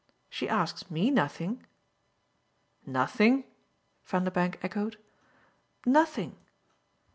She asks ME nothing." "Nothing?" Vanderbank echoed. "Nothing."